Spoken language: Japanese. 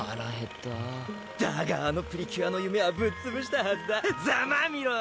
ただがあのプリキュアの夢はぶっつぶしたはずだざまあみろ！